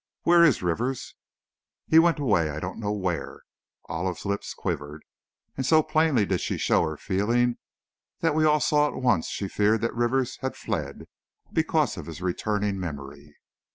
Where is Rivers?" "He went away I don't know where " Olive's lips quivered, and so plainly did she show her feelings that we all saw at once she feared that Rivers had fled, because of his returning memory.